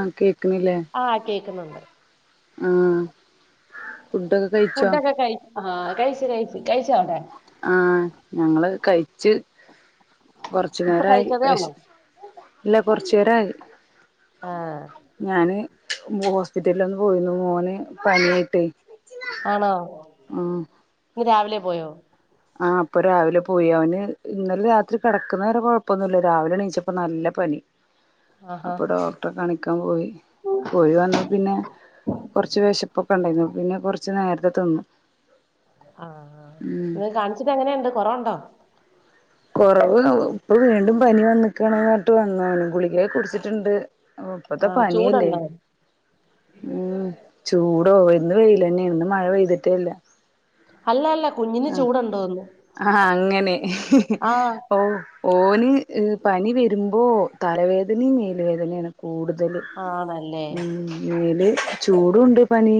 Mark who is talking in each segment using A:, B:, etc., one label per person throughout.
A: ആഹ് കേക്കണില്ലേ
B: ക്കുന്നുണ്ട് [unintelligible]
A: ഫുഡൊക്കെ കഴിച്ചോ
B: ഫുഡക്ക കഴി ആഹ് ആഹ് കഴിച്ച്, കഴിച്ച്. കഴിച്ച അവ്ടെ?
A: ആഹ് ഞങ്ങള് കഴിച്ച്. കൊറച്ചു
B: ഇപ്പൊ
A: നേരായി
B: കഴിച്ചതേ
A: വെശ
B: ഉള്ളൂ
A: ഇല്ല കൊർ ചേരായി
B: ആഹ്
A: ഞാന് ഹോസ്പിറ്റൽലൊന്ന് പോയിന്നു മോന് പനിയായിട്ട്.
B: ആണോ ഇന്ന് രാവിലെ പോയോ?
A: ആ ഇപ്പ രാവിലെ പോയി. അവന് ഇന്നലെ രാത്രി കെടക്കുന്നവരെ കൊഴപ്പമൊന്നുല്ല രാവിലെ എണീച്ചപ്പ നല്ല പനി.
B: ആഹാ
A: അപ്പൊ ഡോക്ടറെ കണിക്കാൻ പോയി. പോയി വന്നപ്പ പിന്നെ കൊർച്ച് വെശപ്പൊക്കെ ഇണ്ടായിന്നു. പിന്നെ കൊർച്ച് നേരത്തെ തിന്നു.
B: ആഹ് ആഹ്
A: ഉം
B: ഇങ്ങ് കാണിച്ചിട്ട് എങ്ങനെണ്ട് കൊറവുണ്ടോ?
A: കൊറവ് ഇപ്പൊ വീണ്ടും പനി വന്ന്ക്കാണ്ർഞ്ഞിട്ട് വന്നാണ്. ഗുളികയെ കുടിച്ചിട്ട്ണ്ട്. ഓഹ് ഇപ്പത്തെ
B: ആഹ്
A: പനിയല്ലേ
B: ചൂടുണ്ടോ
A: ഉം ചൂ ട്ടോ ഇന്ന് വെയിലന്നെണ് ഇന്ന് മഴ പെയ്ത്ട്ടെ ഇല്ല.
B: ഹല്ല അല്ല കുഞ്ഞിന്
A: ആഹ്
B: ചൂടുണ്ടോന്ന്
A: ആഹ അങ്ങനെ ഇഹ് ഇഹ്
B: ആഹ്
A: ഓഹ് ഓന് പനി ഇഹ് വെര്മ്പോ തലവേദനിം മേല് വേദനെ ആണ്. കൂടുതല്
B: ആണല്ലേ
A: ഉം മേല് ചൂടുണ്ട് പനി.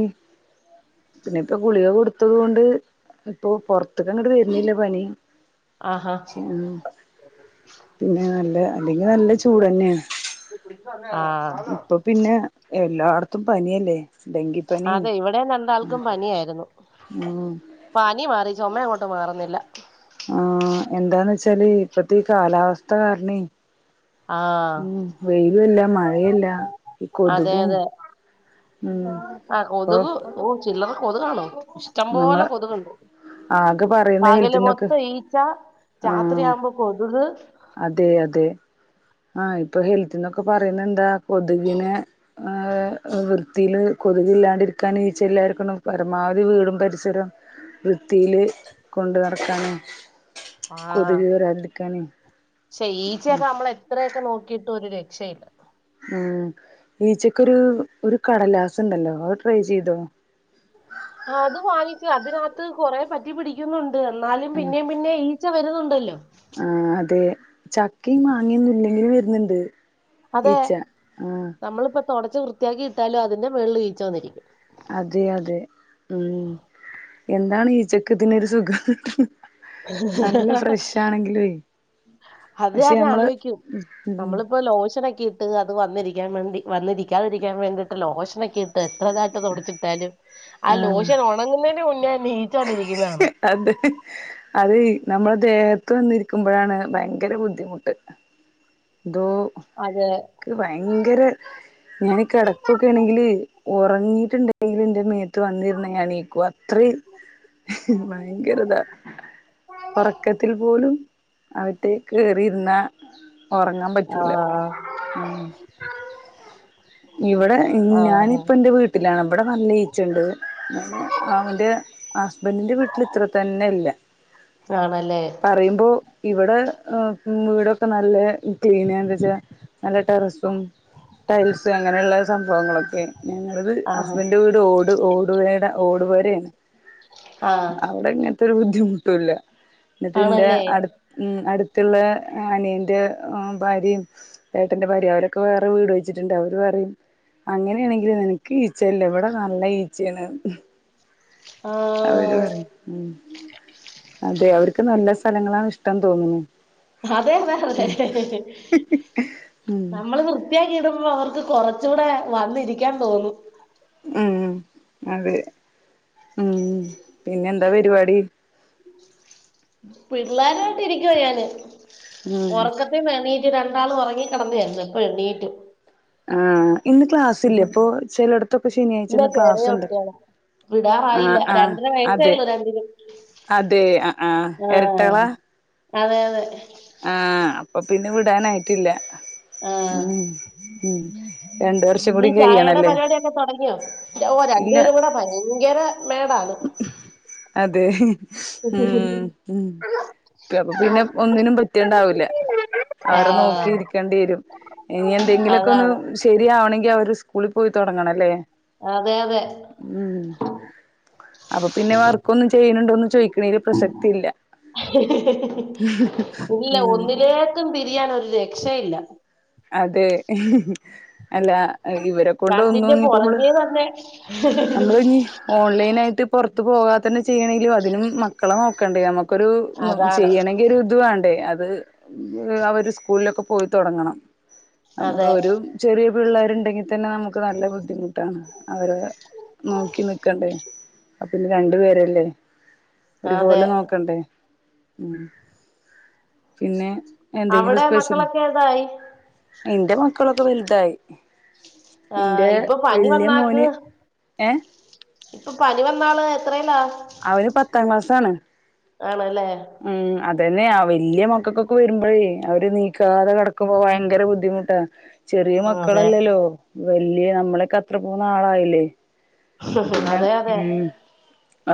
A: പിന്നെ, ഇപ്പ ഗുളിക കൊടുത്തത് കൊണ്ട് ഇപ്പൊ പൊർത്ത്ക്കങ്ങട്ട് വെര്ണില്ല പനി
B: ആഹാ
A: [unintelligible] പിന്നെ നല്ല അല്ലെങ്കി നല്ല ചൂടെന്നെണ്.
B: ആഹ്
A: എല്ലാർത്തും പനിയല്ലേ. ഡെങ്കിപ്പനിയും
B: അതെ ഇവിടെ രണ്ടാൾക്കും പനി ആയിരുന്നു.
A: ഉം
B: പനി മാറി ചൊമ അങ്ങോട്ട് മാറുന്നില്ല.
A: ആ എന്താന്ന് വെച്ചാല് ഇപ്പത്തെ ഈ കാലാവസ്ഥ കാരണെ
B: ആഹ്
A: - ഉം വെയിലുംയല്ല മഴയല്ല കൊതുകും ഉം
B: ആ
A: ഇപ്പൊ
B: കൊതുക് ഓ ചില്ലറ കൊതുകണോ ഇഷ്ടം പോലെ കൊതുക് ഉണ്ട്
A: ആക്കെ പറയുന്ന ഹെൽത്തിന്നൊക്കെ ആഹ്
B: രാത്രിയാവുമ്പോ കൊതുക്
A: അതെ അതെ ആഹ് ഇപ്പൊ ഹെൽത്തിന്നൊക്കെ പറയുന്ന എന്താ കൊതുകിനെ ആ വൃ- വൃത്തിൽ കൊതുക് എല്ലാണ്ടിരി രിക്കാനും ഈച്ചയില്ലാരിക്കണം പരമാവധി വീടും പരിസരം- വൃത്തിയില് കൊണ്ടു നടക്കണം
B: ആഹ ഈച്ചയൊക്കെ നമ്മളെ - ഇത്രയൊക്കെ നോക്കിയിട്ട് ഒരു രക്ഷയില്ല
A: ഉം ഈച്ചക്കൊരു ഒരു രു കടലാസുണ്ടല്ലോ അത് ട്രൈ ചെയ്തോ
B: അത് വാങ്ങിച്ചു അതിനകത്ത് കൊറേ പറ്റി പിടിക്കുന്നുണ്ട് എന്നാലും പിന്നേ പിന്നെ ഈച്ച വരുന്നുണ്ടല്ലോ
A: ആഹ് അതെ ചക്കയും മാങ്ങയൊന്നും ഇല്ലെങ്കിലും വരുന്നുണ്ട്
B: അതെ
A: ഈച്ച ആഹ്
B: നമ്മളിപ്പ തൊടച്ച് വൃത്തിയാക്കി ഇട്ടാലും അതിന്റെ മേളില് ഈച്ച വന്നിരിക്കും
A: അതെ അതെ ഉം എന്താണ് ഈച്ചക്ക്‌യിതിനൊരു സുഖം നല്ല ഫ്രഷ ആണെങ്കിലുംലേ
B: അത് ഞാൻ ആലോചിക്കും
A: ഉം
B: നമ്മളിപ്പോൊ ലോഷനോക്കെ ഇട്ട് അത് വന്നിരിക്കാൻ വേണ്ടി വന്നിരിക്കാതിരിക്കാൻ വേണ്ടിയിട്ട് ലോഷനൊക്കെ ഇട്ട് എത്രതായിട്ട് തുടിച്ചിട്ടാലും ആ
A: ആഹ്
B: ലോഷൻ ഉണങ്ങുന്നതിന് മുന്നേ ഈച്ച വന്നിരിക്കും
A: അതെ അതെ നമ്മുടെ ദേഹത്ത് വന്നിരിക്കുമ്പോഴാണ് ഭയങ്കര ബുദ്ധിമുട്ട് എന്തോ
B: അതെ
A: ഭയങ്കര ഞാൻ കിടക്കുയൊക്കെആണെങ്കില് ഉറങ്ങിയിട്ടുണ്ടെങ്കിൽ എന്റെ മേ എര്ത്ത് വന്നിരുന്ന് ഞണീക്കും അത്രയും ഭയങ്കരതാ ഉറക്കത്തിൽ പോലും അകത്തേക്ക് കേറി ന്നാ ഉറങ്ങാൻ പറ്റില്ല
B: ആഹ്
A: ഇവിടെ
B: ആഹ്
A: ഞാനിപ്പ എന്റെ വീട്ടിലാണ് ഇവിടെ നല്ല ഈച്ചണ്ട് ഞാൻ അവടെ ഹസ്ബൻഡിന്റെ വീട്ടിൽ ഇത്ര തന്നെല്ല
B: ആണല്ലേ
A: പറയുമ്പോ ഇവിടെ വീടൊക്കെ നല്ല ക്ലീന എന്തച്ചാ നല്ല ടെറസും ടൈൽസും അങ്ങനെയുള്ള സംഭവങ്ങളൊക്കെ ഞങ്ങളത്
B: ആഹ്
A: ഹസ്ബൻഡ്റെ വീട് ഓട് ഓടുവീടെ ഓടു പോരെയാണ്
B: ആഹ്
A: അവിടെ ഇങ്ങനത്തെരു ബുദ്ധിമുട്ടല്ല എന്നിട്ടന്റെ
B: ആണല്ലേ
A: അടു ഉം അടു ത്തുള്ള അനിയന്റെ ഭാര്യയും ചേട്ടന്റെ ഭാര്യയും അവരൊക്കെ വേറെ വീട് വച്ചിട്ട് ണ്ട് അവര് പറയും അങ്ങനെയാണെങ്കില് നനക്ക് ഈച്ചയില്ല ഇവിടെ നല്ല ഈച്ചയാണ് അവര്
B: ആഹ്
A: പറയും ഉം അതെ അവർക്ക് നല്ല സ്ഥലങ്ങളാണ് ഇഷ്ടംന്ന് തോന്നുന്നു
B: അതെന്നാ
A: ഉം
B: ഏഹ്
A: ഉം
B: നമ്മള് വൃത്തിയാക്കിടുമ്പോ അവർക്ക് കൊറച്ചൂടെ വന്നിരിക്കാൻ തോന്നും
A: ഉം അതെ ഉം പിന്നെ എന്താ പരിപാടി
B: പിള്ളേരുമായിട്ട് ഇരിക്കുവ ഞാന്
A: ഉം
B: ഉറക്കത്തി എണീ റ്റ് രണ്ടാളും ഉറങ്ങി കിടന്നായിരുന്നു ഇപ്പോ എണീറ്റു
A: ആഹ് ഇന്ന് ക്ലാസ് ഇല്ലേ അപ്പൊ ചിലയിടത്തൊക്കെ ശനിയാഴ്ച
B: ഇല്ല
A: ഇന്ന്
B: ചെറിയ
A: ക്ലാസ്ണ്ട്
B: കുട്ടികളാ വിടാറായില്ല രണ്ടര വയസ്സായില്ലോ രണ്ടിനും
A: അതെ ആഹ് ആഹ് ഇരട്ടകള
B: ആഹ് അതെ അതെ
A: ആഹ് അപ്പൊ പിന്നെ വിടാനായിട്ടില്ല
B: ആഹ്
A: ഉം ഉം രണ്ട് വർഷം
B: നീ
A: കൂടി
B: ചായയുടെ
A: കഴിയണല്ലേ
B: പരിപാടിയൊക്കെ തുടങ്ങിയോ ഓ
A: ഇല്ല
B: രണ്ടുപേരും കൂടെ ഭയങ്കര മേടാണ്
A: അതെ ഉം ഉം അപ്പൊ പിന്നെ ഒന്നിനും വൃത്തിയുണ്ടാവൂില്ല അവരെ നോക്കി
B: ആഹ്
A: ഇരിക്കേണ്ടി വരും ഇനി എന്തെങ്കിലുമൊക്കെ ഒന്ന്
B: അതാണ്
A: ശരിയാവണമെങ്കിൽ അവര് സ്കുളി പോയി തുടങ്ങണം അല്ലേ
B: അതെ അതെ
A: അപ്പൊ പിന്നെ വർക്കൊന്നും ചെയ്യണണ്ടോന്നന്ന് ചോയ്ക്കണെല് പ്രസക്തി ഇല്ല.
B: ഇല്ല
A: ഉം
B: ഒന്നിലേക്കും തിരിയാൻ ഒരു രക്ഷയില്ല.
A: അതെ അല്ല ഇവരെ കൊണ്ട്
B: രണ്ടിന്റെ
A: ഒന്നും ഇപ്പോ നമ്മള്
B: പുറകെ തന്നെ
A: നമ്മള് ഇനി ഓൺലൈൻ ആയിട്ട് പൊറത്ത് പോവാത്തെന്നെ ചെയ്യണേലും അതിനും മക്കളെ നോക്കണ്ടേ ഞമ്മ ക്കൊരുന്നു
B: അതാണ്
A: ചെയ്യണെങ്കി ഒരു ഇത് വാണ്ടേ അ ഇവര് ഏഹ് അവര് സ്കൂള്ലൊക്കെ പോയി തൊടങ്ങണം
B: അതെ
A: നമ്മളൊരു ചെറിയ പിള്ളേര്ണ്ടെങ്കി തന്നെ നമുക്ക് നല്ല ബുദ്ധിമുട്ടാണ് അവരെ നോക്കിന്ന്ക്കണ്ടേ ആഹ് പിന്നെ രണ്ടു പേരല്ലേ
B: അതെ
A: ഒര്പോലെ നോക്കണ്ടേ ഉം പിന്നെ
B: അവ്ടെ മക്കളൊക്കെ ഏതായി
A: ഇന്റെ മക്കളൊക്കെ വെല്തായി
B: ആ
A: ഇന്റെ
B: ഇപ്പൊ പനി
A: വെല്ല്യെ മോന് ഏഹ്
B: ഇപ്പം പനി വന്നാള് എത്രേല്ലാ?
A: അവന് പത്താ ക്ലാസാണ്
B: ആണ്ല്ലേ
A: തന്നെ ആഹ് വെല്ല്യെ മക്കക്കൊക്കെ വരുമ്പഴേ അവര് നീക്കാതെ കടക്കുമ്പോ ഭയങ്കര ബുദ്ധിമുട്ടാ ചെറിയ
B: ആ അതെ
A: മക്കളലല്ലോ വെല്ല്യെ അമ്മളെക്കത്ര പോന്ന ആളായില്ലെ? പിന്നെ
B: അതെ അതെ
A: ഉം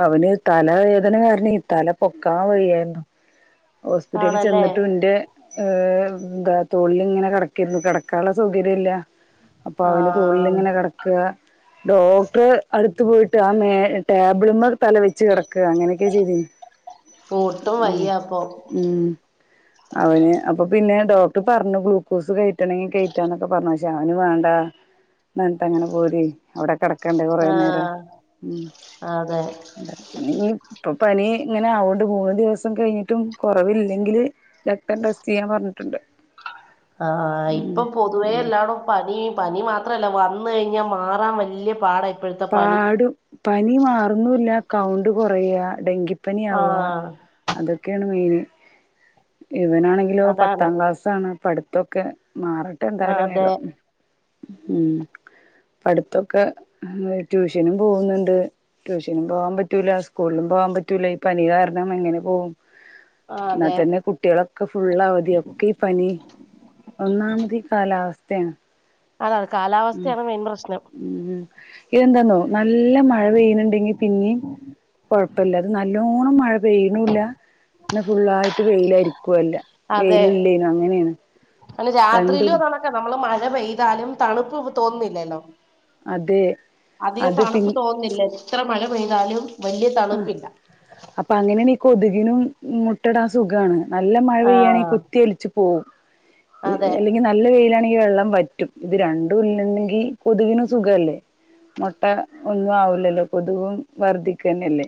A: അവന് തലവേദന കാരണെയ് തല പൊക്കാ വെയ്യാര്ന്നു ഹോസ്പിറ്റലിൽ
B: ആണല്ലേ
A: ചെന്നിട്ടും എന്റെ ഏ എന്താ തൊഴിലിങ്ങനെ കിടക്കിരുന്നു കിടക്കാനുള്ള സൗകര്യം ഇല്ല അപ്പൊ
B: ആ
A: അവന്റെ തുള്ളിലിങ്ങനെ കിടക്കുക ഡോക്ടർ അടു ത്ത് പോയിട്ട് ആ മേ ടേബിൾമ്മേ തല വെച്ച് കിടക്ക് അങ്ങനൊക്കെ ചെയ്തു
B: ഒട്ടും
A: ഉം
B: വയ്യ അപ്പൊ
A: ഉം അവന് അപ്പൊ പിന്നെ ഡോക്ടർ പറഞ്ഞു ഗ്ലൂക്കോസ് കഴറ്റണെങ്കിൽ കഴറ്റാന്നൊക്കെ പറഞ്ഞു ജാ അ ഒന്നും വേണ്ട എന്നിട്ട് അങ്ങനെ പോര് അവിടെ കിട കണ്ട് കുറേ
B: ആ
A: നേരം ഉം
B: അതെ
A: പിന്ന ഇപ്പൊ പനി ഇങ്ങനെ ആവുകൊണ്ട് മൂന്ന് ദിവസം കഴിഞ്ഞിട്ടും കുറവില്ലെങ്കിൽ രക്തം ടെസ്റ്റ് ചെയ്യാൻ പറഞ്ഞിട്ട് ണ്ട്
B: ആ ഇപ്പൊ പൊതുവേ
A: ഉം
B: എല്ലാണം പനി പനി മാത്രല്ല വന്ന് കഴിഞ്ഞാൽ മാറാൻ വലിയ പാട
A: പാടും പനി മാറുന്നുല്ല കൗണ്ട് കൊറയാ ഡെങ്കി പ്പനിയ ആവുക
B: ആഹ്
A: അതൊക്കെയാണ് മെയിന് ഇവനാണെങ്കിലോ
B: അതാണ്
A: പത്താം ക്ലാസ് ആണ് പഠിത്തൊക്കെ മാറട്ടെ
B: ആഹ്
A: എന്തായാലും
B: അതെ
A: വേഗം ഉം പടുത്തൊക്കെ ട്യൂഷനും പോകുന്നുണ്ട് ട്യൂഷനും പോകാൻ പറ്റൂല്ല സ്കൂളിലും പോകാൻ പറ്റൂല്ല ഈ പനി കാരണം എങ്ങനെ പോകും
B: ആഹ് അതെ
A: എന്നാൽത്തന്നെ കുട്ടികളൊക്കെ ഫുള് അവധിയ ഒക്കെ ഈ പനി ഒന്നാമത് കാലാവസ്
B: അതാ കാലാവസ്ഥയാണ് മെയിൻ പ്രശ്നം
A: ഉം ഇതെന്താന്നോ നല്ല മഴ പെയ്യുന്നുണ്ടെങ്കിൽ പിന്നീ കൊ പ്പല്ലാ നല്ലോണ്ണം മഴ പെയ്യണില്ല എന്ന ഫുള്ളായിട്ട് പെയിലായിരിക്കും ക്കുല്ല വെയില് ഇല്ലേനും അങ്ങനെയാണ്
B: അ
A: രണ്ടും
B: രാത്രിയിലോ നണക്കെ നമ്മള് മഴ പെയ്താലും തണുപ്പ് തോന്നുന്നില്ലല്ലോ
A: അതെ
B: അധികം
A: അത് പിൻ
B: തണുപ്പ് തോന്നുന്നില്ല എത്ര മഴ പെയ്താലും വലിയ
A: ആ
B: തണുപ്പില്ല
A: അപ്പൊ അങ്ങനെയണ് കൊതുകിനും മുട്ടട സുഖമാണ് നല്ല മഴ പെയ്യാണെങ്കിൽ
B: ആഹ്
A: കുത്തിയൊലിച്ചു പോവും
B: അതെ
A: അല്ലെങ്കിൽ നല്ല വെയിലാണെ വെള്ളം പറ്റും ഇത് രണ്ടും ഇല്ലണ്ടെങ്കിൽ കൊതുവിനു സുഖല്ലേ മുട്ട ഒന്നും ആവില്ലല്ലോ പൊതുവും വർദ്ധി കന്നല്ലേ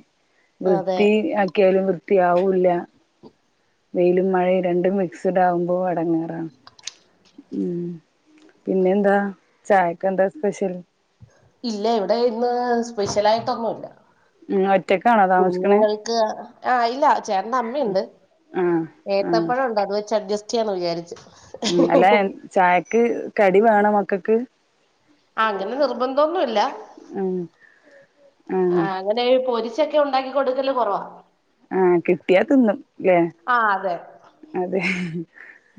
B: അതെ
A: വൃത്തി ആക്കിയാലും വൃത്തിയാവൂല്ല വെയിലും മഴയും രണ്ടും മിക്സിഡ് ആകുമ്പോ അടങ്ങാറാണ് ഉം പിന്നെ എന്താ ചായക്ക് എന്താ സ്പെഷ്യൽ
B: ഇല്ല ഇവിടെ ഇന്ന് സ്പെഷ്യൽ ആയിട്ടൊന്നുല്ല
A: ഉം ഒറ്റക്കാണോ താമസിക്കണേ
B: കുഞ്ഞുങ്ങൾക്ക് ആ ഇല്ല ചേട്ടന്റെ അമ്മയുണ്ട്
A: ആഹ് ആഹ്
B: ഏത്തപ്പഴമുണ്ട് അത് വെച്ച് അഡ്ജസ്റ്റ് ചെയ്യാന്ന് വിചാരിച്ചു
A: ഉം അല്ല ചായക്ക് കടി വേണ മക്കൾക്ക്
B: ആ അങ്ങനെ നിർബന്ധൊന്നുംല്ല
A: ആഹ്
B: ആ
A: ആഹ്
B: അങ്ങനെ പൊരിശൊക്കെ ഉണ്ടാക്കി കൊടുക്കല് കുറവാ
A: ആ കിട്ടിയാ തിന്നുംല്ലേ
B: ആ അതെ
A: അതെ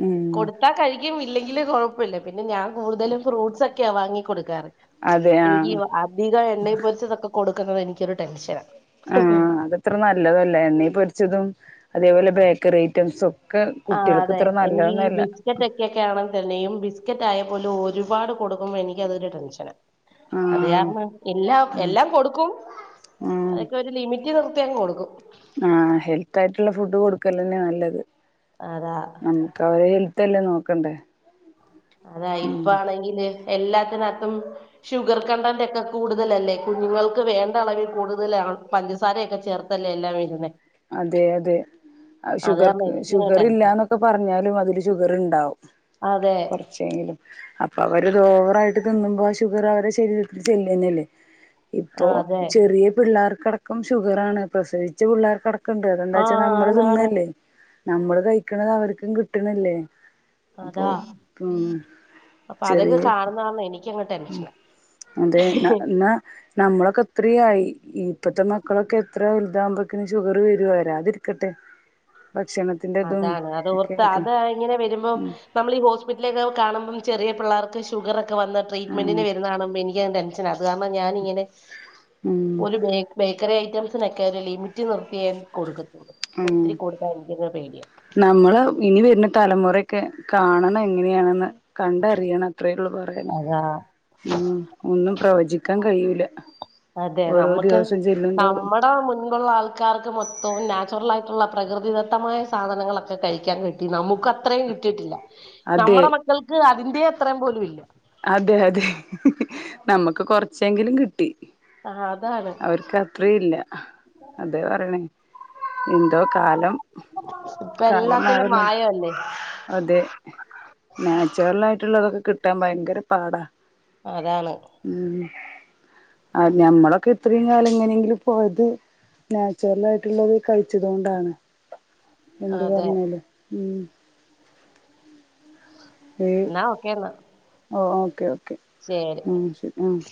A: ഉം
B: കൊടുത്താ കഴിക്കും ഇല്ലെങ്കില് കുഴപ്പമില്ല പിന്നെ ഞാൻ കൂടുതലും ഫ്രൂട്ട്സ് ഒക്കെയാ വാങ്ങി കൊടുക്കാറ്
A: അതെ
B: എനിക്ക്
A: ആഹ്
B: അധികം എണ്ണയിൽ പൊരിച്ചതൊക്കെ കൊടുക്കുന്നത് എനിക്കൊരു ടെൻഷനാ
A: ആ അതത്ര നല്ലയല്ല എണ്ണയിൽ പൊരിച്ചതും അതേപോലെ ബേക്കറി ഐറ്റംസും- ഒക്കെ
B: ആ
A: കുട്ടികൾക്ക്
B: അതെ
A: ഇത്ര
B: എനിക്ക്
A: നല്ലതൊന്നല്ല
B: ബിസ്ക്കറ്റ് ഒക്കെക്കെ ആണ തന്നെയും ബിസ്കറ്റ് ആയ - പോലും ഒരുപാട് കൊടുക്കുമോ എനിക്കതൊരു ടെൻഷന അത്
A: ആഹ്
B: കാരണം എല്ലാം
A: ഉം
B: എല്ലാം കൊടുക്കും അതൊക്കെ ഒരു ലിമിറ്റ്- യങ്ങ് കൊടുക്കും
A: ആ ഹെൽത്തായിട്ടുള്ള ഫുഡ് കൊടുക്കല് തന്നെയാ നല്ലത്
B: അതാ
A: നമുക്ക് അവരെ ഹെൽ- തല്ലേ നോക്കണ്ടേ
B: അതാ
A: ഉം
B: ഇപ്പാണെങ്കില് ദേ എല്ലാത്തിനകത്തും ഷുഗർ കണ്ടന്റ് ഒക്കെ കൂടുതലല്ലേ കുഞ്ഞുങ്ങൾക്ക് വേണ്ട അളവിൽ കൂടുതലാ- ഇപ്പം പഞ്ചസാരയൊക്കെ ചേർത്തല്ലേ എല്ലാം വരുന്നെ
A: അതെ അതെ ഷുഗറ്
B: കാരണം എനിക്കങ്ങ്
A: ഷുഗറ്
B: ടെൻഷൻ
A: ഇല്ലാന്നൊക്കെ പറഞ്ഞാലും അതില് ഷുഗറ്ണ്ടാവും
B: അതെ
A: കൊറ ശ്ശെങ്കിലും അപ്പം അവരത് ഓവർ ആയിട്ട് തിന്നുമ്പോ ആ ഷുഗറ് അവരുടെ ശരീരത്തിൽ ചെല്ലന്നല്ലേ
B: ആ
A: ഇപ്പം
B: അതെ
A: ചെറിയ പിള്ളേർക്ക് അടക്കം ഷുഗറാണ് പ്രസവിച്ച പിള്ളേർക്ക് അടക്കം ണ്ട്
B: ആ
A: അതെന്താച്ചാ നമ്മള്
B: ആണാണ്
A: തിന്നല്ലേ നമ്മള് കഴിക്കണത് അവർക്കും കിട്ടണില്ലേ അപ്പോ
B: അതാ
A: ഉം
B: അപ്പൊ
A: ചെറിയ
B: അതൊക്കെ കാണുന്ന കാരണം എനിക്കങ്ങ്
A: ഉം
B: ടെൻഷനാ
A: അതെ ന്ന ന്ന നമ്മളൊക്കെ ഇത്രേം ആയി ഇപ്പത്തെ മക്കളൊക്കെ എത്ര വലുതാകുമ്പോക്കിന് ഷുഗറ് വരോ വരാതിരിക്കട്ടെ ഭക്ഷണത്തിന്റെതും
B: അതാണ് അത്
A: ഒക്കെ
B: ഓർത്ത്
A: ആയിട്ട്
B: അത് ഇങ്ങനെ വരുമ്പം നമ്മള് ഈ ഹോസ്പിറ്റലൊക്കെ കാണുമ്പം ചെറിയ പിള്ളേർക്ക് ഷുഗറ് ക്കെ വന്ന് ട്രീറ്റ്മെന്റിന്
A: ആ
B: വരുന്ന കാണുമ്പം എനിക്കങ്ങ് ടെൻഷന അത് കാരണം ഞാനിങ്ങനെ
A: ഉം
B: ഓല് ബേ ബേക്കറി ഐറ്റം സിനൊക്കെ ഒരു ലിമിറ്റ് നിർത്തിയെ കൊടുക്കത്ത്
A: ഉം
B: ഒത്തിരി കൊടുത്തായിരുന്നു
A: നമ്മള് ഇനി വരുന്ന തലമുറയൊക്കെ കാണണം എങ്ങനെയാണെന്ന് കണ്ടറിയണം അത്രേ ഉള്ളൂ പറയാന്
B: അതാ
A: ഉം ഒന്നും പ്രവചിക്കാൻ കഴിയി
B: അതെ നമ്മക്ക്
A: ചെല്ലും തോറും
B: നമ്മുടെ മുൻപുള്ള ആൾക്കാർക്ക് മൊത്തവും നാച്ചുറൽ ആയി ള്ള പ്രകൃതിദത്തമായ സാധനങ്ങളൊക്കെ കഴിക്കാൻ കിട്ടി നമുക്ക് അത്രയും കിട്ടിയിട്ടില്ല
A: അതെ
B: നമ്മടെ മക്കൾക്ക് അതിന്റെ അത്രയും പോലും ഇല്ല
A: അതെ അതെ നമുക്ക് കൊറച്ചെങ്കിലും കിട്ടി
B: ആ അതാണ്
A: അവർക്ക് അത്രയും ഇല്ല അത പറയണേ എന്തോ കാലം
B: ഇപ്പം
A: കാലം
B: എല്ലാത്തിനും
A: മാറുന്ന
B: മായവല്ലേ
A: അതെ നാച്ചുറൽ ആയിട്ടുള്ളതൊക്കെ കിട്ടാൻ ഭയങ്കര പാടാ
B: അതാണ്
A: ഉം ആഹ് ഞമ്മളൊക്കെ ഇത്രയും കാലം ഇങ്ങനെയെങ്കിലും പോയത് നാച്ചുറൽ ആയിട്ടുള്ളത് കഴിച്ചത് കൊണ്ടാണ് എന്ത്
B: അതെ
A: പറഞ്ഞാലും ഉം ഏഹ്
B: ന്നാ ഓക്കേന്നാ
A: ഓ ഓക്കെ ഓക്കെ
B: ശരി
A: ഉം ശരി ആഹ്